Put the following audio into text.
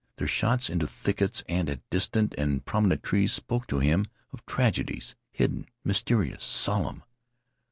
Their shots into thickets and at distant and prominent trees spoke to him of tragedies hidden, mysterious, solemn.